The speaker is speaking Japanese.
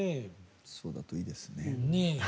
そうだといいですね。